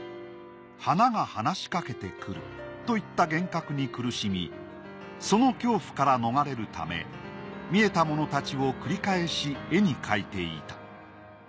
花が話しかけてくるといった幻覚に苦しみその恐怖から逃れるため見えたものたちを繰り返し絵に描いていた。